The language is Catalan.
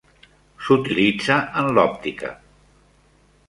S'utilitza en l'òptica.